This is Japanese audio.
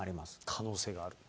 可能性があると。